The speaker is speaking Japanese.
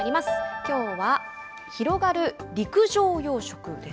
きょうは、広がる陸上養殖です。